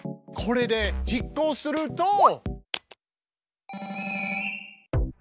これで実行すると。